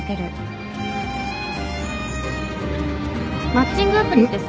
マッチングアプリってさ。